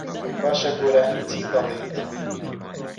باشە، گۆرانیی چی دەڵێیت؟